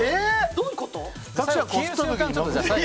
どういうこと？